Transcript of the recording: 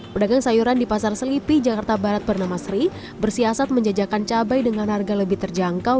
pedagang sayuran di pasar selipi jakarta barat bernama sri bersiasat menjajakan cabai dengan harga lebih terjangkau